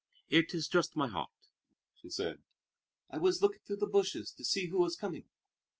"It is just my heart," she said. "I was looking through the bushes to see who was coming.